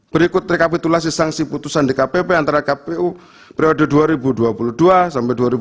berikut rekapitulasi sanksi putusan dkpp antara kpu periode dua ribu dua puluh dua sampai dua ribu dua puluh